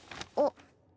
あっ。